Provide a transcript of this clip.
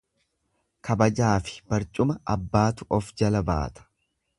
Kabajafi barcuma abbaatu of jala baata.